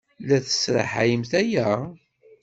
La tesraḥayemt aya?